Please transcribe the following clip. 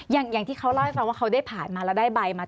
อย่างที่เขาเล่าให้ฟังว่าเขาได้ผ่านมาแล้วได้ใบมา